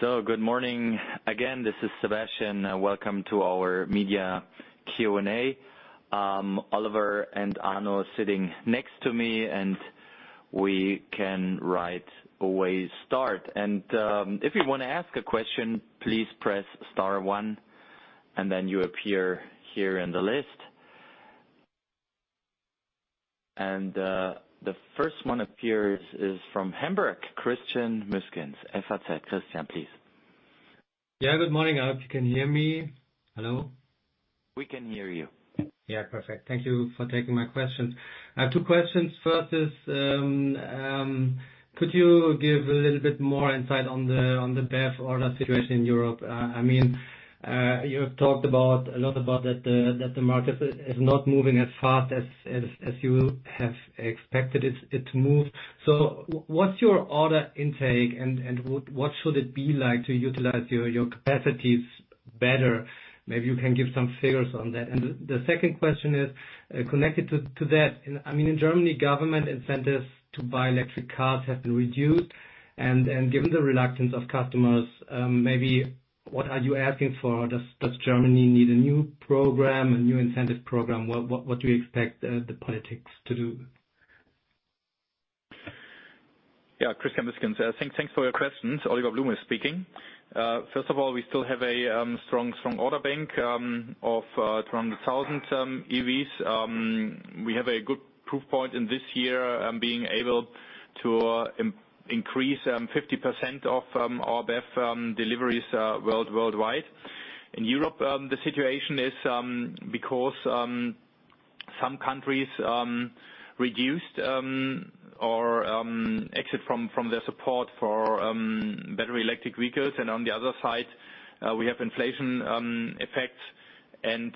Good morning again, this is Sebastian. Welcome to our media Q&A. Oliver and Arno are sitting next to me, and we can right away start. If you want to ask a question, please press star one, and then you appear here in the list. The first one appears is from Hamburg, Christian Müßgens, FAZ. Christian, please. Yeah, good morning. I hope you can hear me. Hello? We can hear you. Yeah, perfect. Thank you for taking my questions. I have two questions. First is, could you give a little bit more insight on the BEV order situation in Europe? I mean, you have talked about a lot about that, the market is not moving as fast as you have expected it to move. So what's your order intake, and what should it be like to utilize your capacities better? Maybe you can give some figures on that. The second question is connected to that. I mean, in Germany, government incentives to buy electric cars have been reduced, and given the reluctance of customers, maybe what are you asking for? Does Germany need a new program, a new incentive program? What do you expect the politics to do? Yeah, Christian Müßgens, thanks for your questions. Oliver Blume speaking. First of all, we still have a strong order bank of around 1,000 EVs. We have a good proof point in this year, being able to increase 50% of our BEV deliveries worldwide. In Europe, the situation is because some countries reduced or exit from their support for battery electric vehicles, on the other side, we have inflation effects and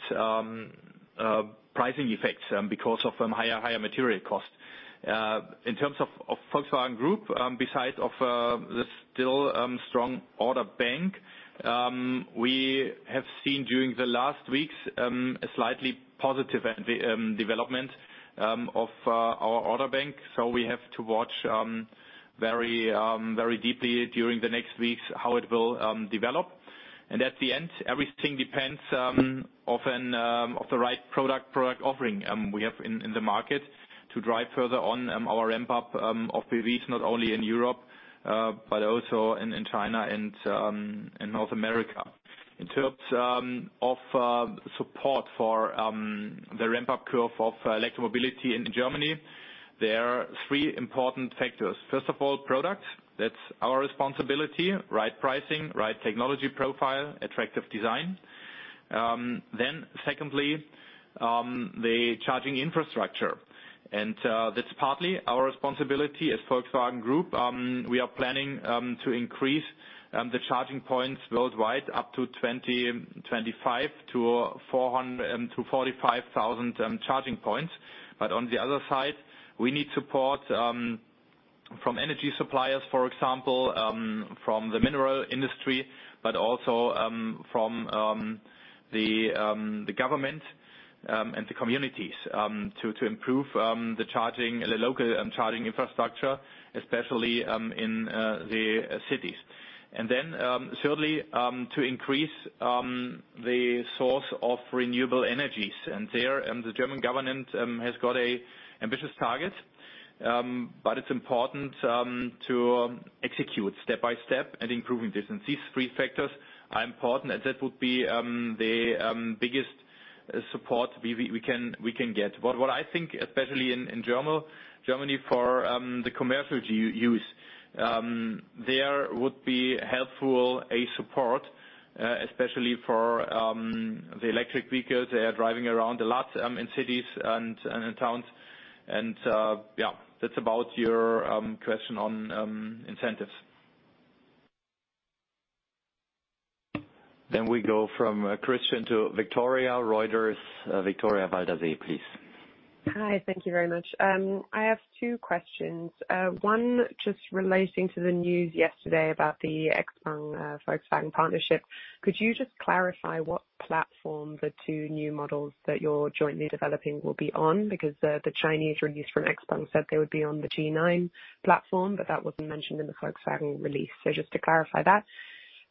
pricing effects because of higher material costs. In terms of Volkswagen Group, besides of the still strong order bank, we have seen during the last weeks a slightly positive development of our order bank. We have to watch very deeply during the next weeks, how it will develop. At the end, everything depends often of the right product offering we have in the market to drive further on our ramp up of BEVs, not only in Europe, but also in China and in North America. In terms of support for the ramp-up curve of electromobility in Germany, there are three important factors. First of all, product. That's our responsibility, right pricing, right technology profile, attractive design. Then secondly, the charging infrastructure, and that's partly our responsibility as Volkswagen Group. We are planning to increase the charging points worldwide up to 2025 to 400 to 45,000 charging points. On the other side, we need support from energy suppliers, for example, from the mineral industry, but also from the government and the communities to improve the charging, the local charging infrastructure, especially in the cities. Thirdly, to increase the source of renewable energies. There, the German government has got a ambitious target, but it's important to execute step by step at improving this. These three factors are important, and that would be the biggest support we can get. What I think, especially in Germany, for the commercial use, there would be helpful a support especially for the electric vehicles. They are driving around a lot, in cities and in towns. Yeah, that's about your question on incentives. We go from Christian to Victoria, Reuters. Victoria Waldersee, please. Hi. Thank you very much. I have two questions. One just relating to the news yesterday about the XPENG, Volkswagen partnership. Could you just clarify what platform the two new models that you're jointly developing will be on? The Chinese release from XPENG said they would be on the G9 platform, but that wasn't mentioned in the Volkswagen release. Just to clarify that.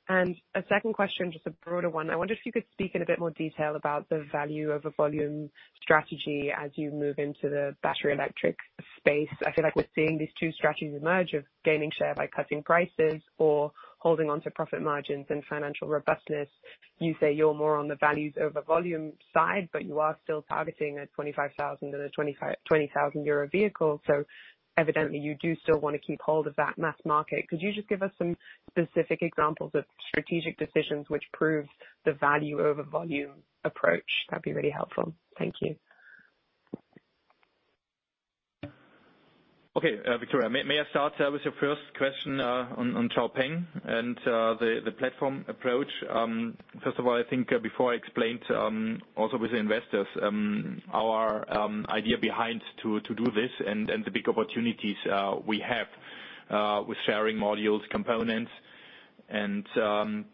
A second question, just a broader one, I wonder if you could speak in a bit more detail about the value of a volume strategy as you move into the battery electric space. I feel like we're seeing these two strategies emerge, of gaining share by cutting prices or holding on to profit margins and financial robustness. You say you're more on the values over volume side, you are still targeting a 25,000 and a 20,000 euro vehicle, evidently, you do still want to keep hold of that mass market. Could you just give us some specific examples of strategic decisions which prove the value over volume approach? That'd be really helpful. Thank you. Okay, Victoria, may I start with your first question on XPENG and the platform approach? First of all, I think before I explained also with the investors our idea behind to do this and the big opportunities we have with sharing modules, components, and.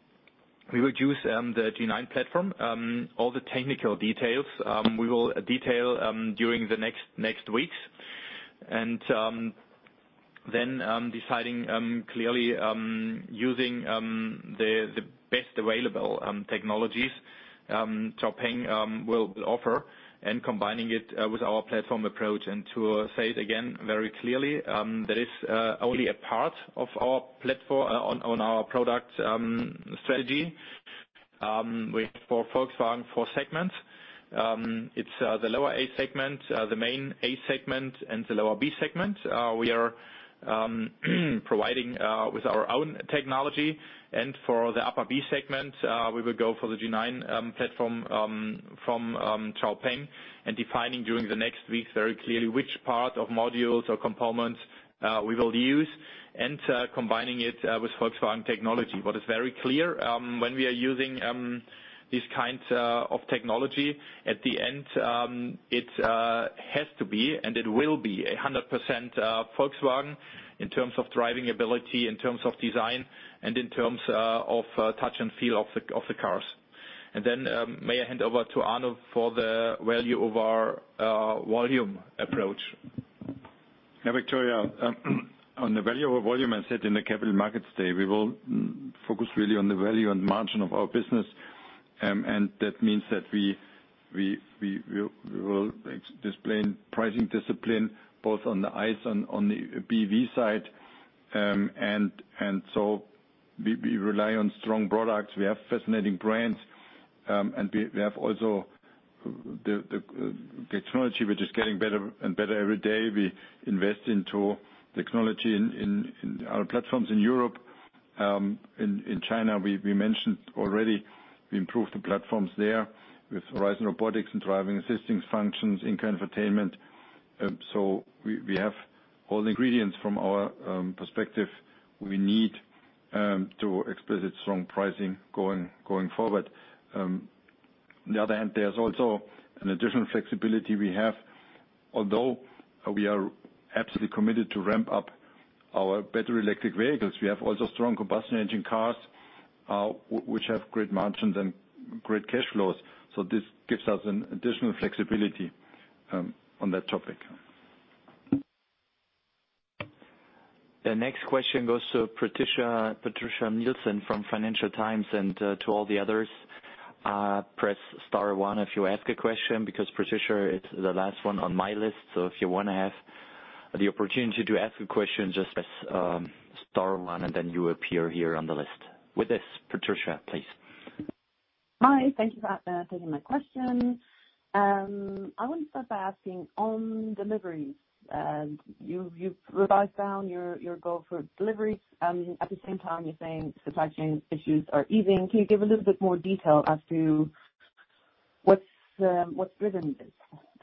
We will use the G9 platform. All the technical details we will detail during the next weeks. Then deciding clearly using the best available technologies XPENG will offer, and combining it with our platform approach. To say it again, very clearly, that is only a part of our platform on our product strategy. We have for Volkswagen four segments. It's the lower A-segment, the main A-segment, and the lower B-segment. We are providing with our own technology, for the upper B-segment, we will go for the G9 platform from XPENG, defining during the next weeks very clearly which part of modules or components we will use, combining it with Volkswagen technology. What is very clear, when we are using these kinds of technology, at the end, it has to be and it will be 100% Volkswagen in terms of driving ability, in terms of design, and in terms of touch and feel of the cars. May I hand over to Arno for the value over volume approach? Yeah, Victoria, on the value of our volume, I said in the Capital Markets Day, we will focus really on the value and margin of our business. That means that we will explain pricing discipline both on the ICE and on the BEV side. We rely on strong products. We have fascinating brands, and we have also the technology which is getting better and better every day. We invest into technology in our platforms in Europe. In China, we mentioned already we improved the platforms there with Horizon Robotics and driving assisting functions, in-car entertainment. We have all the ingredients from our perspective we need to explicit strong pricing going forward. On the other hand, there's also an additional flexibility we have. Although we are absolutely committed to ramp up our battery electric vehicles, we have also strong combustion engine cars, which have great margins and great cash flows. This gives us an additional flexibility on that topic. The next question goes to Patricia Nilsson from Financial Times. To all the others, press star one if you ask a question, because Patricia is the last one on my list. If you wanna have the opportunity to ask a question, just press star one, and then you appear here on the list. With this, Patricia, please. Hi. Thank you for taking my question. I want to start by asking, on deliveries, you've revised down your goal for deliveries, at the same time, you're saying supply chain issues are easing. Can you give a little bit more detail as to what's driven this?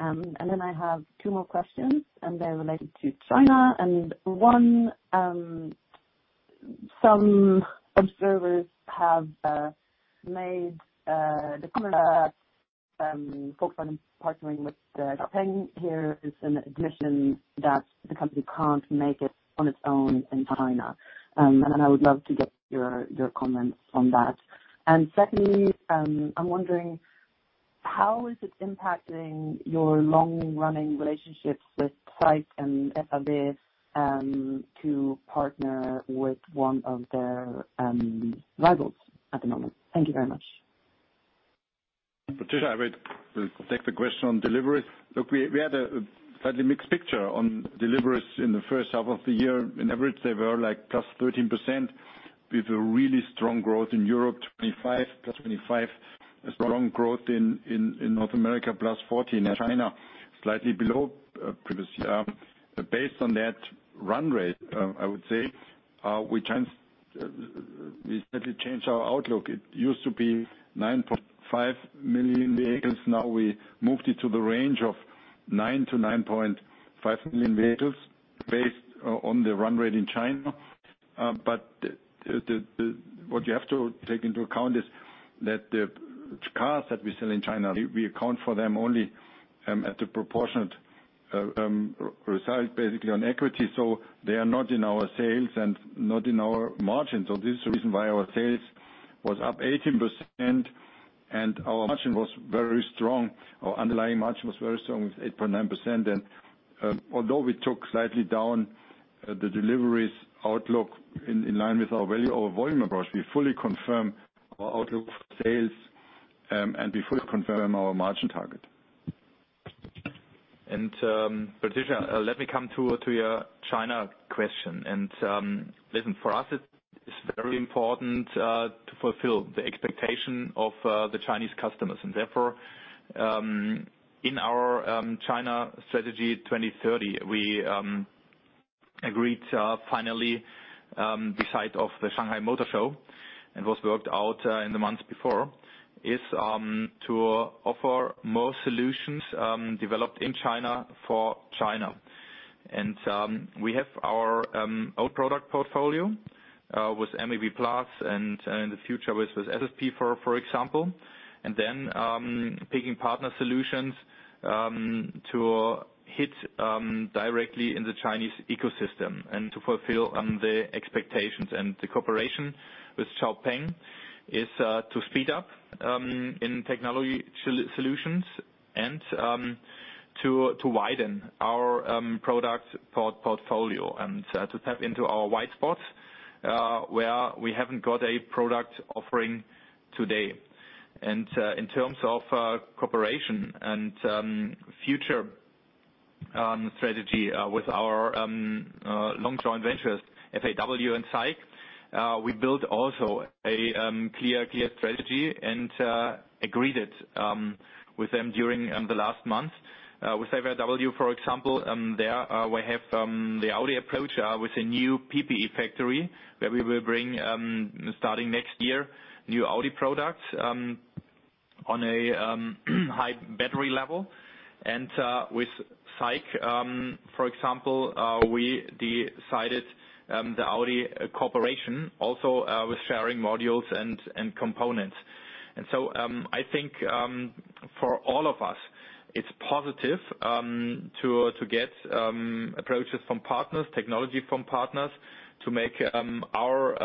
I have two more questions, and they're related to China, one, some observers have made the comment that Volkswagen partnering with XPENG here is an admission that the company can't make it on its own in China. I would love to get your comments on that. Secondly, I'm wondering, how is it impacting your long-running relationships with SAIC and FAW to partner with one of their rivals at the moment? Thank you very much. Patricia, I will take the question on deliveries. We had a fairly mixed picture on deliveries in the first half of the year. On average, they were +13%, with a really strong growth in Europe, 25%, +25%. A strong growth in North America, +40%. In China, slightly below previous year. Based on that run rate, I would say we slightly changed our outlook. It used to be 9.5 million vehicles. Now, we moved it to the range of 9 million-9.5 million vehicles based on the run rate in China. What you have to take into account is that the cars that we sell in China, we account for them only at the proportionate result, basically on equity. They are not in our sales and not in our margins. This is the reason why our sales was up 18% and our margin was very strong. Our underlying margin was very strong, with 8.9%. Although we took slightly down the deliveries outlook in line with our value, our volume approach, we fully confirm our outlook for sales, and we fully confirm our margin target. Patricia, let me come to your China question. Listen, for us, it's very important to fulfill the expectation of the Chinese customers. In our China strategy 2030, we agreed finally, the site of the Shanghai Motor Show, and was worked out in the months before, is to offer more solutions developed in China for China. We have our old product portfolio with MEB+, and in the future with SSP, for example. Picking partner solutions to hit directly in the Chinese ecosystem and to fulfill the expectations. The cooperation with XPENG is to speed up in technology solutions and to widen our product portfolio and to tap into our white spots where we haven't got a product offering today. In terms of cooperation and future strategy with our long-term joint ventures, FAW and SAIC, we built also a clear strategy and agreed it with them during the last month. With FAW, for example, there we have the Audi approach with a new PPE factory, where we will bring, starting next year, new Audi products on a high battery level. With SAIC, for example, we decided the Audi cooperation also with sharing modules and components. I think for all of us, it's positive to get approaches from partners, technology from partners, to make our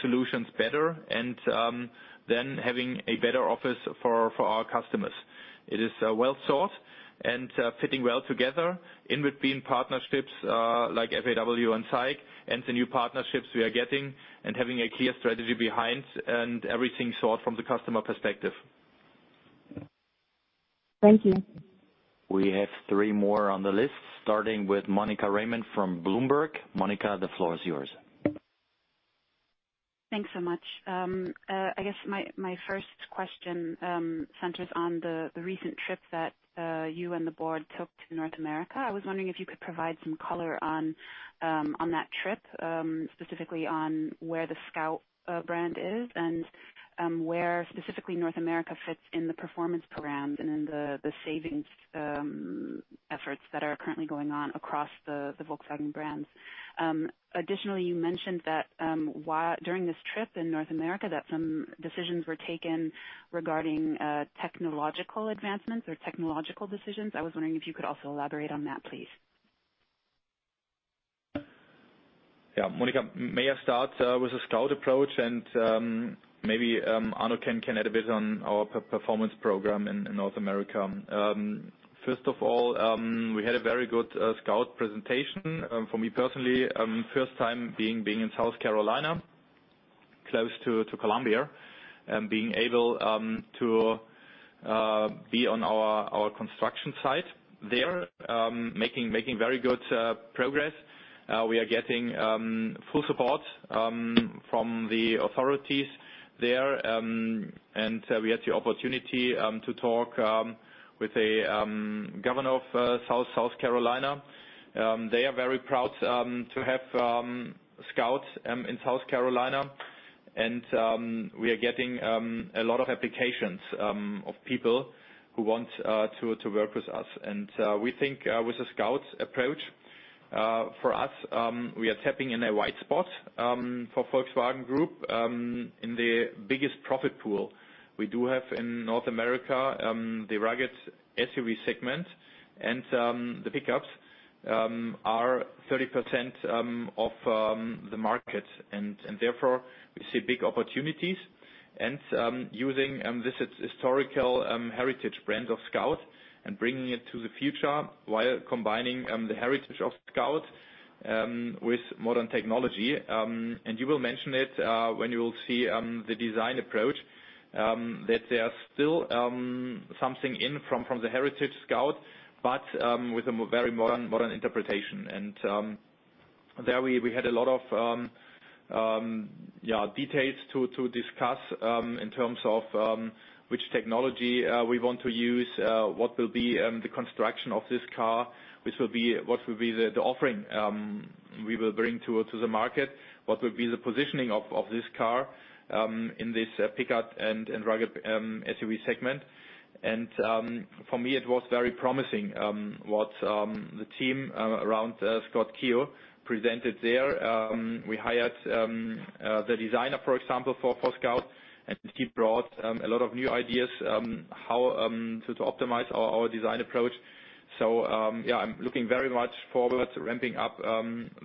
solutions better and then having a better office for our customers. It is well thought and fitting well together in between partnerships like FAW and SAIC, and the new partnerships we are getting, and having a clear strategy behind, and everything thought from the customer perspective. Thank you. We have three more on the list, starting with Monica Raymunt from Bloomberg. Monica, the floor is yours. Thanks so much. I guess my first question centers on the recent trip that you and the board took to North America. I was wondering if you could provide some color on that trip, specifically on where the Scout brand is, and where specifically North America fits in the performance program and in the savings efforts that are currently going on across the Volkswagen brands. Additionally, you mentioned that during this trip in North America, that some decisions were taken regarding technological advancements or technological decisions. I was wondering if you could also elaborate on that, please. Yeah, Monica, may I start with the Scout approach, and maybe Arno can add a bit on our performance program in North America. First of all, we had a very good Scout presentation. For me personally, first time being in South Carolina, close to Columbia, and being able to be on our construction site there, making very good progress. We are getting full support from the authorities there, and we had the opportunity to talk with a governor of South Carolina. They are very proud to have Scout in South Carolina, and we are getting a lot of applications of people who want to work with us. We think with the Scout approach for us, we are tapping in a wide spot for Volkswagen Group in the biggest profit pool. We do have in North America the rugged SUV segment, and the pickups are 30% of the market, and therefore, we see big opportunities. Using this historical heritage brand of Scout and bringing it to the future while combining the heritage of Scout with modern technology. You will mention it when you will see the design approach that there are still something in from the heritage Scout, but with a very modern interpretation. There we had a lot of yeah, details to discuss, in terms of which technology we want to use, what will be the construction of this car, what will be the offering we will bring to the market, what will be the positioning of this car in this pickup and rugged SUV segment. For me, it was very promising what the team around Scott Keogh presented there. We hired the designer, for example, for Scout, and he brought a lot of new ideas how to optimize our design approach. Yeah, I'm looking very much forward to ramping up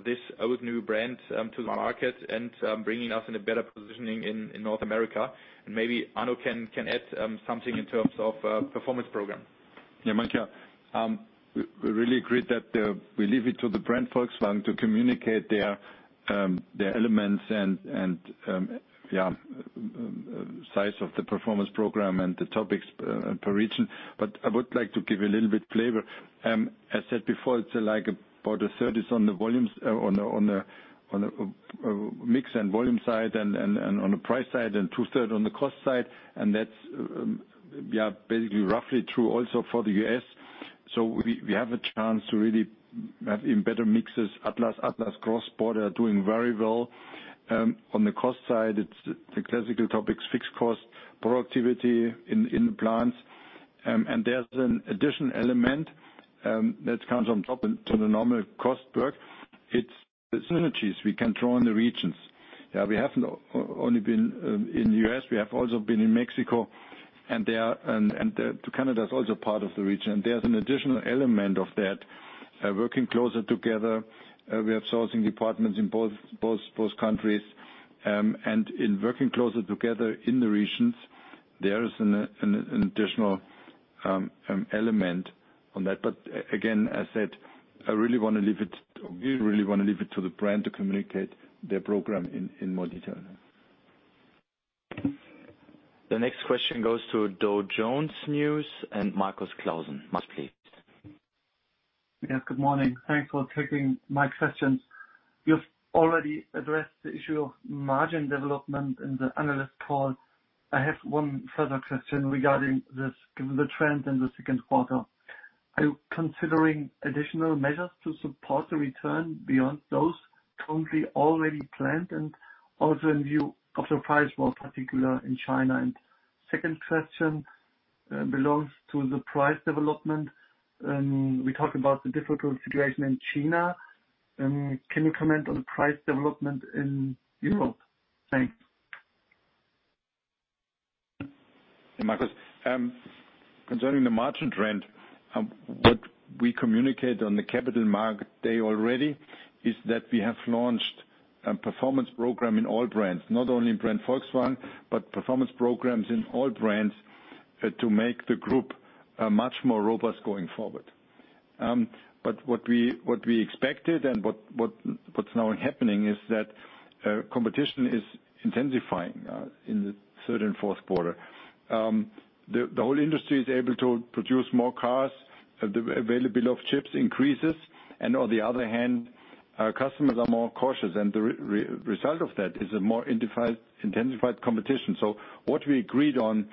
this old new brand to the market and bringing us in a better positioning in North America. Maybe Arno can add something in terms of performance program. Monica, we really agreed that we leave it to the brand Volkswagen to communicate their elements and size of the performance program and the topics per region. I would like to give a little bit flavor. I said before, it's like about 1/3 is on the volumes, on the mix and volume side and on the price side, and 2/3 on the cost side, and that's basically roughly true also for the U.S. We have a chance to really have even better mixes. Atlas Cross Sport are doing very well. On the cost side, it's the classical topics, fixed cost, productivity in the plants. There's an additional element that comes on top of to the normal cost work. It's the synergies we can draw in the regions. Yeah, we have not only been in the U.S., we have also been in Mexico, and there, Canada is also part of the region. There's an additional element of that, working closer together. We have sourcing departments in both countries. In working closer together in the regions, there is an additional element on that. Again, as I said, I really want to leave it, or we really want to leave it to the brand to communicate their program in more detail. The next question goes to Dow Jones News and Markus Klausen. Markus, please. Yes, good morning. Thanks for taking my questions. You've already addressed the issue of margin development in the analyst call. I have one further question regarding this, the trend in the second quarter. Are you considering additional measures to support the return beyond those currently already planned, and also in view of the price war, particular in China? Second question belongs to the price development. We talked about the difficult situation in China. Can you comment on the price development in Europe? Thanks. Markus, concerning the margin trend, what we communicated on the Capital Markets Day already is that we have launched a performance program in all brands, not only in brand Volkswagen, but performance programs in all brands, to make the group much more robust going forward. What we expected and what's now happening is that competition is intensifying in the third and fourth quarter. The whole industry is able to produce more cars, the availability of chips increases, and on the other hand, our customers are more cautious, and the result of that is a more intensified competition. What we agreed on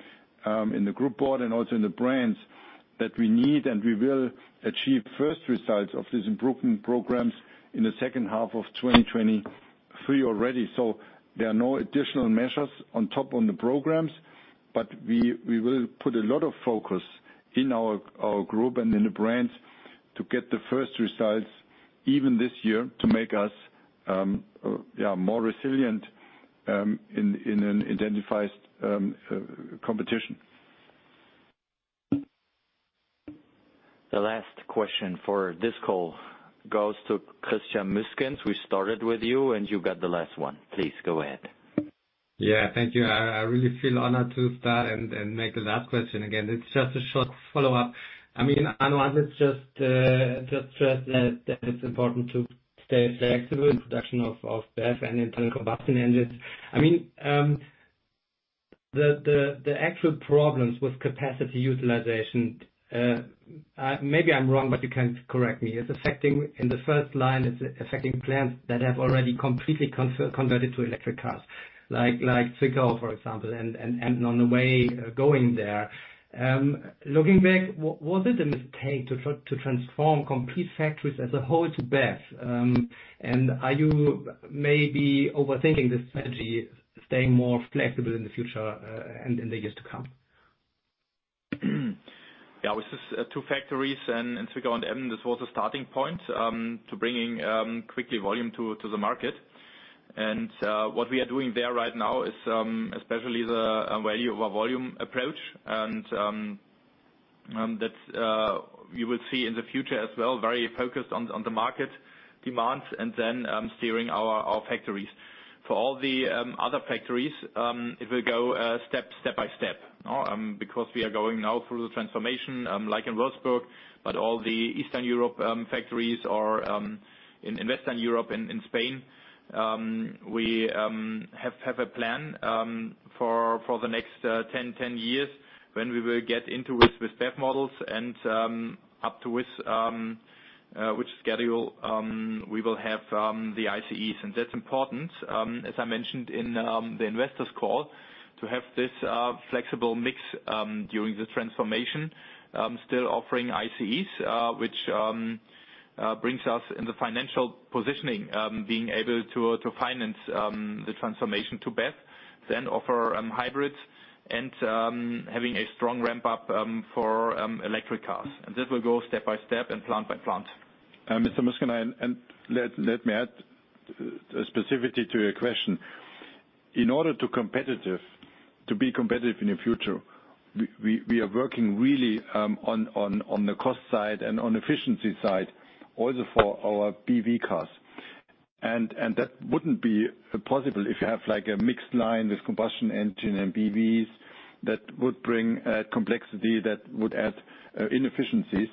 in the Group Board and also in the brands, that we need and we will achieve first results of these improvement programs in the second half of 2023 already. There are no additional measures on top on the programs, but we will put a lot of focus in our group and in the brands to get the first results even this year, to make us, yeah, more resilient, in an intensified, competition. The last question for this call goes to Christian Müßgens. We started with you, and you got the last one. Please, go ahead. Thank you. I really feel honored to start and make the last question again. It's just a short follow-up. I mean, Arno has just stressed that it's important to stay flexible in production of BEV and internal combustion engines. I mean, the actual problems with capacity utilization, maybe I'm wrong, but you can correct me, is affecting, in the first line, it's affecting plants that have already completely converted to electric cars, like Zwickau, for example, and on the way going there. Looking back, was it a mistake to transform complete factories as a whole to BEV? Are you maybe overthinking this strategy, staying more flexible in the future, and in the years to come? Yeah, with this, two factories in Zwickau and Emden, this was a starting point to bringing quickly volume to the market. What we are doing there right now is especially the value over volume approach, that's you will see in the future as well, very focused on the market demands and then steering our factories. For all the other factories, it will go step-by-step, no? We are going now through the transformation, like in Wolfsburg, but all the Eastern Europe factories or in Western Europe and in Spain, we have a plan for the next 10 years when we will get into with BEV models and up to which schedule we will have the ICEs. That's important, as I mentioned in the investors call, to have this flexible mix during the transformation, still offering ICEs, which brings us in the financial positioning, being able to finance the transformation to BEV, then offer hybrids and having a strong ramp up for electric cars. This will go step-by-step and plant by plant. Mr. Müßgens, let me add specifically to your question. In order to be competitive in the future, we are working really on the cost side and on efficiency side also for our BEV cars. That wouldn't be possible if you have, like, a mixed line with combustion engine and BEVs. That would bring complexity, that would add inefficiencies.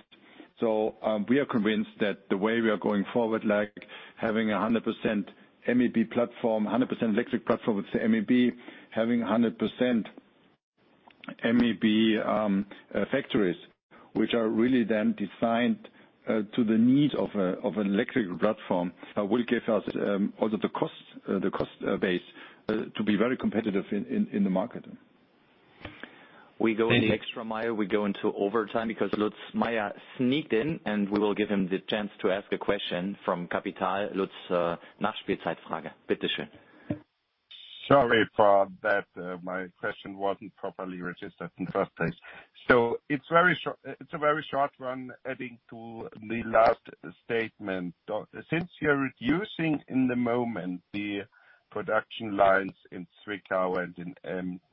We are convinced that the way we are going forward, like having a 100% MEB platform, 100% electric platform with the MEB, having a 100% MEB factories, which are really then designed to the needs of an electric platform, will give us all of the costs, the cost base, to be very competitive in the market. We go the extra mile, we go into overtime because Lutz Meschke sneaked in, and we will give him the chance to ask a question from Capital. Lutz, Sorry for that, my question wasn't properly registered in first place. It's very short, it's a very short one, adding to the last statement. Since you're reducing in the moment the production lines in Zwickau and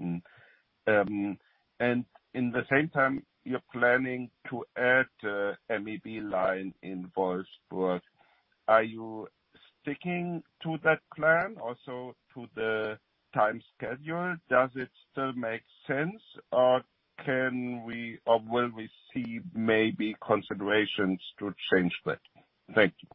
in Emden, and in the same time, you're planning to add MEB line in Wolfsburg, are you sticking to that plan also to the time schedule? Does it still make sense, or can we or will we see maybe considerations to change that? Thank you.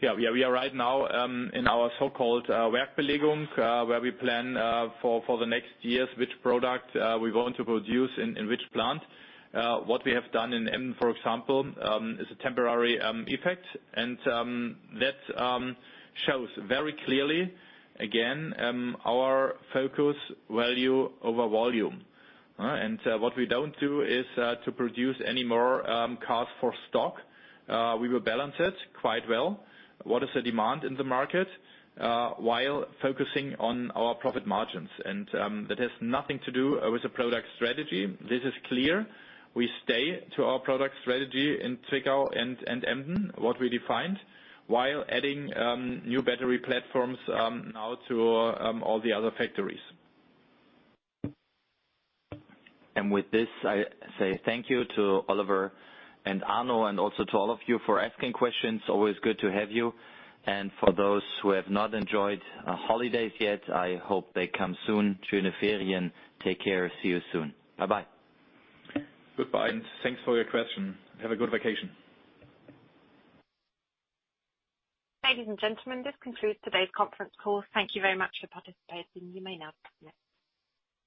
We are right now in our so-called work delegation, where we plan for the next years, which product we're going to produce in which plant. What we have done in Emden, for example, is a temporary effect, that shows very clearly, again, our focus value over volume. What we don't do is to produce any more cars for stock. We will balance it quite well. What is the demand in the market while focusing on our profit margins. That has nothing to do with the product strategy. This is clear. We stay to our product strategy in Zwickau and Emden, what we defined, while adding new battery platforms now to all the other factories. With this, I say thank you to Oliver and Arno, and also to all of you for asking questions. Always good to have you. For those who have not enjoyed holidays yet, I hope they come soon. Take care. See you soon. Bye-bye. Goodbye, and thanks for your question. Have a good vacation. Ladies and gentlemen, this concludes today's conference call. Thank you very much for participating. You may now disconnect.